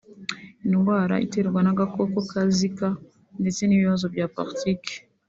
indwara iterwa n'agakoko ka Zika ndetse n'ibibazo bya politiki